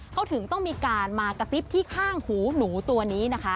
เขาถึงต้องมีการมากระซิบที่ข้างหูหนูตัวนี้นะคะ